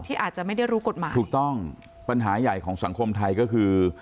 อาจจะไม่ได้รู้กฎหมายถูกต้องปัญหาใหญ่ของสังคมไทยก็คือ